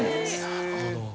なるほど。